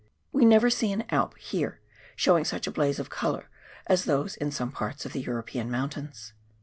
We never see an Alp, here, showing such a blaze of colour as those in some parts of the European mountains.